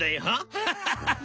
ハハハハ。